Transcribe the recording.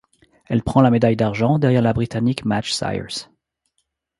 Elle prend la médaille d'argent derrière la britannique Madge Syers.